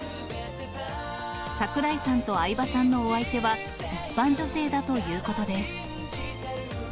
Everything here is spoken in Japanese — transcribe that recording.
櫻井さんと相葉さんのお相手は一般女性だということです。